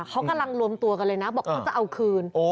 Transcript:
เขากำลังรวมตัวกันเลยนะบอกเขาจะเอาคืน